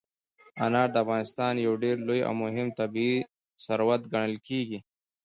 انار د افغانستان یو ډېر لوی او مهم طبعي ثروت ګڼل کېږي.